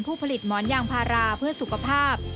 ผู้ผลิตหมอนยางพาราเพื่อสุขภาพ